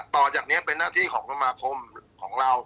ต่อจากนี้เป็นหน้าที่ของสมาคมของเรา